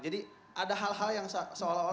jadi ada hal hal yang seolah olah saya rasa